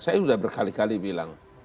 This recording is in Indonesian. saya sudah berkali kali bilang